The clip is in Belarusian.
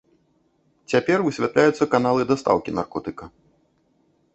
Цяпер высвятляюцца каналы дастаўкі наркотыка.